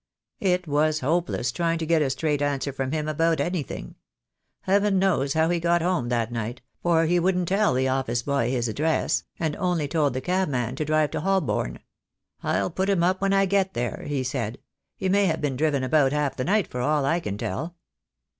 It was hopeless trying to get a straight answer from him about anything. Heaven knows how he got home that night, for he wouldn't tell the office boy his address, and only told the cabman to drive to Hol born. 'I'll pull him up when I get there/ he said. He may have been driven about half the night, for all I can tell."